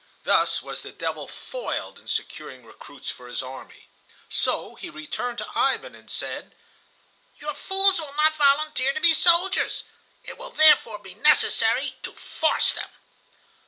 Thus was the devil foiled in securing recruits for his army; so he returned to Ivan and said: "Your fools will not volunteer to be soldiers. It will therefore be necessary to force them."